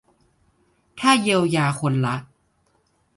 ถ้าเยียวยาคนละ